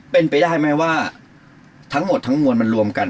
เป็นไปได้ไหมว่าทั้งหมดทั้งมวลมันรวมกัน